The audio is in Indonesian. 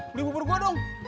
beli bubur gua dong